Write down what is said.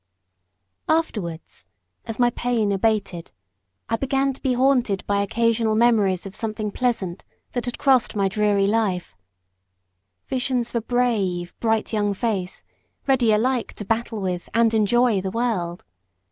Afterwards, as my pain abated, I began to be haunted by occasional memories of something pleasant that had crossed my dreary life; visions of a brave, bright young face, ready alike to battle with and enjoy the world.